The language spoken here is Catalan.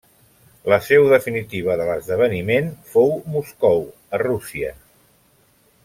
La seu definitiva de l'esdeveniment fou Moscou, a Rússia.